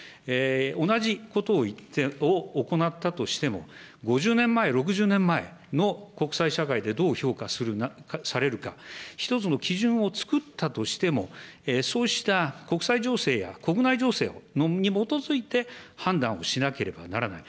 同じことを行ったとしても、５０年前、６０年前の国際社会でどう評価されるか、１つの基準を作ったとしても、そうした国際情勢や国内情勢に基づいて、判断をしなければならない。